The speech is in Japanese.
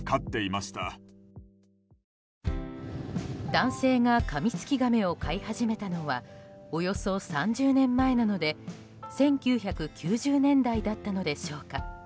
男性がカミツキガメを飼い始めたのはおよそ３０年前なので１９９０年代だったのでしょうか。